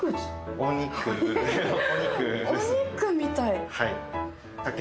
お肉みたい。